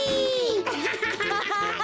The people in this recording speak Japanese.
アハハハハハ！